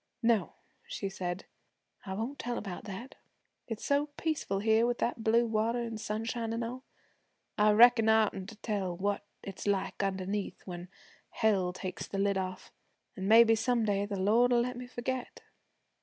'No,' she said, 'I won't tell about that. It's so peaceful here with that blue water an' sunshine an' all, I reckon I oughtn't to tell what it's like underneath when Hell takes the lid off. An' maybe some day the Lord'll let me forget.